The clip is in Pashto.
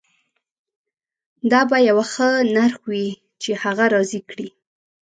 دا به یو ښه نرخ وي چې هغه راضي کړي